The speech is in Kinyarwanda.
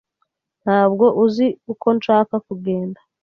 Ntabwo uzi uko nshaka kugenda.